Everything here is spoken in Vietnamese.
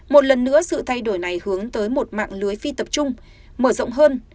một lần nữa sự thay đổi này hướng tới một mạng lưới phi tập trung mở rộng hơn